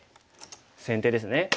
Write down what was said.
先手ですね。